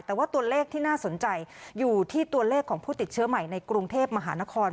แต่ว่าตัวเลขที่น่าสนใจอยู่ที่ตัวเลขของผู้ติดเชื้อใหม่ในกรุงเทพมหานคร